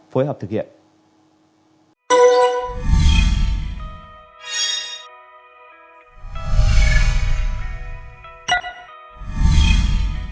phối hợp thực hiện